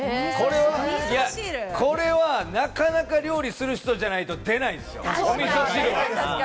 これは、なかなか料理する人じゃないと出ないですよ、お味噌汁は。